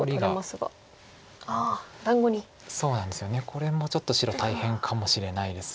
これもちょっと白大変かもしれないです。